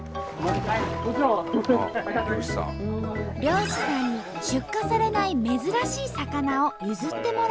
漁師さんに出荷されない珍しい魚を譲ってもらうんです。